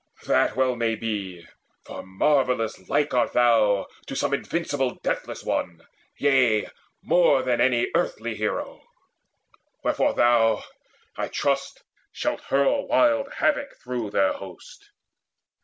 That well may be, for marvellous like art thou To some invincible Deathless One, yea, more Than any earthly hero. Wherefore thou, I trust, shalt hurl wild havoc through their host.